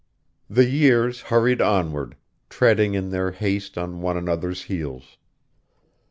The years hurried onward, treading in their haste on one another's heels.